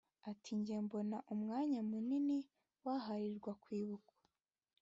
Ati “Njye mbona umwanya munini waharirwa kwibuka